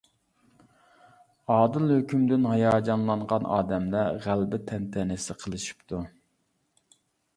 ئادىل ھۆكۈمدىن ھاياجانلانغان ئادەملەر غەلىبە تەنتەنىسى قىلىشىپتۇ.